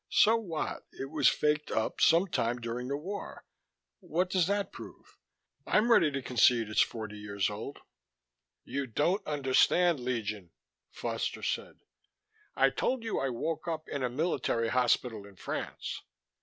"So what? So it was faked up some time during the war what does that prove? I'm ready to concede it's forty years old " "You don't understand, Legion," Foster said. "I told you I woke up in a military hospital in France.